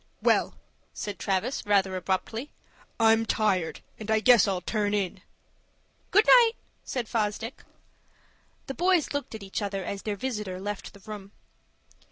"Well," said Travis, rather abruptly, "I'm tired and I guess I'll turn in." "Good night," said Fosdick. The boys looked at each other as their visitor left the room.